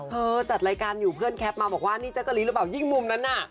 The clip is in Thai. จัดรายการอยู่เพื่อนแคปมาบอกว่านี่แจ๊กกะลีหรือเปล่ายิ่งมุมนั้นน่ะ